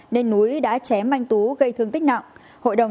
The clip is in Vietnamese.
nên núi đã chém anh tú gây thương tích nặng